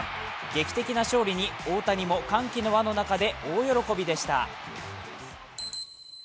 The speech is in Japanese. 劇的な勝利に大谷も歓喜の輪の中で大喜びでした。